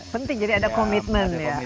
penting jadi ada komitmen ya